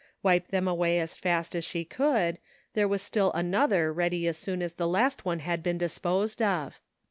Wipe them away as fast as she could, there was still another ready as soon as the last one had been disposed of.